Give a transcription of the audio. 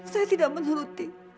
saya tidak menuruti